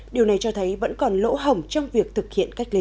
điều này cho thấy vẫn còn lỗ hỏng trong việc thực hiện cách ly